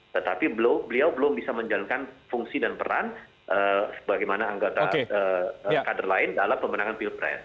tetapi beliau belum bisa menjalankan fungsi dan peran sebagaimana anggota kader lain dalam pemenangan pilpres